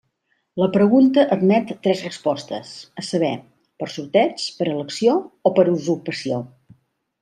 La pregunta admet tres respostes, a saber, per sorteig, per elecció o per usurpació.